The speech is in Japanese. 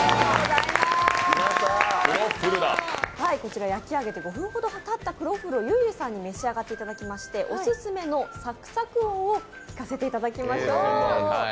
こちら焼き上げて５分ほどたったクロッフルをゆいゆいさんに召し上がっていただきましてオススメのサクサク音を聴かせていただきましょう。